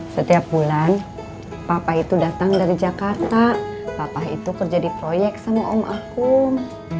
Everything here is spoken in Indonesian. setiap bulan papa itu datang dari jakarta papa itu kerja di proyek sama om akum